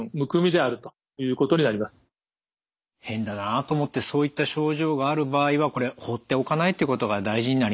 変だなあと思ってそういった症状がある場合はこれ放っておかないってことが大事になりますね。